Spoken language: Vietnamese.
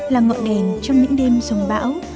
là ngọn đèn trong những đêm dòng bão